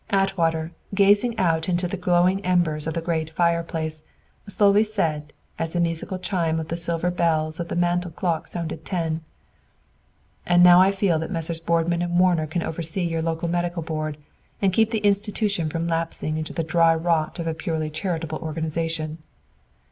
Atwater, gazing out into the glowing embers of the great fireplace, slowly said, as the musical chime of the silver bells of the mantel clock sounded ten: "And now I feel that Messrs. Boardman and Warner can oversee your local Medical Board and keep the institution from lapsing into the dry rot of a purely charitable organization."